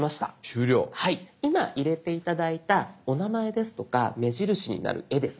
今入れて頂いたお名前ですとか目印になる絵ですね